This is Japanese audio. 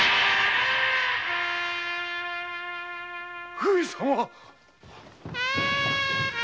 上様！